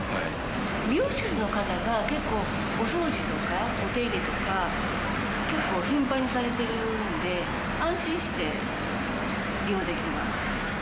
美容室の方が、結構、お掃除とか、お手入れとか、結構頻繁にされているので、安心して利用できます。